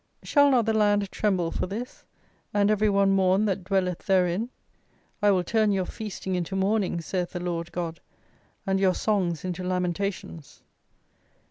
Shall not the land tremble for this; and every one mourn that dwelleth therein? I will turn your feasting into mourning, saith the Lord God, and your songs into lamentations."